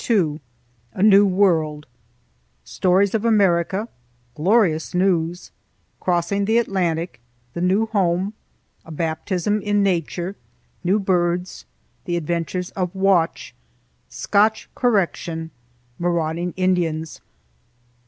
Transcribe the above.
IIToC A NEW WORLD Stories of America—Glorious News—Crossing the Atlantic—The New Home—A Baptism in Nature—New Birds—The Adventures of Watch—Scotch Correction—Marauding Indians.